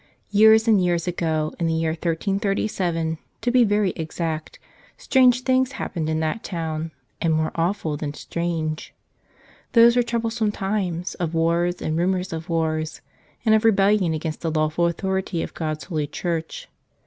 Years and years ago, in the year 1337, to be very exact, strange things happened in that town — and more awful than strange. Those were troublous times of wars and rumors of wars, and of rebellion against the lawful authority of God's holy Church.